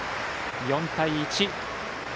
４対１。